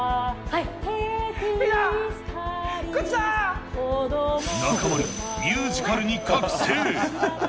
はい、中丸、ミュージカルに覚醒。